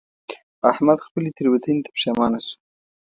احمد خپلې تېروتنې ته پښېمانه شو.